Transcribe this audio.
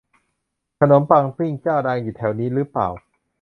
ขนมปังปิ้งเจ้าดังอยู่แถวนี้รึเปล่า